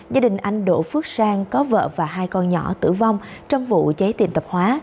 gia đình anh đỗ phước sang có vợ và hai con nhỏ tử vong trong vụ cháy tiệm tạp hóa